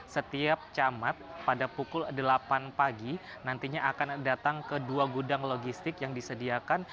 setiap camat pada pukul delapan pagi nantinya akan datang ke dua gudang logistik yang disediakan